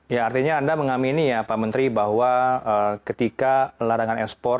ya artinya anda mengamini ya pak menteri bahwa ketika larangan ekspor